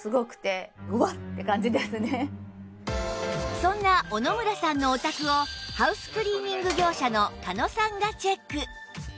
そんな小野村さんのお宅をハウスクリーニング業者の狩野さんがチェック